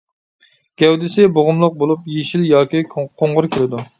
گەۋدىسى بوغۇملۇق بولۇپ، يېشىل ياكى قوڭۇر كېلىدۇ.